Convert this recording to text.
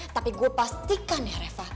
tapi gue pastikan ya reva